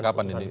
sejak kapan ini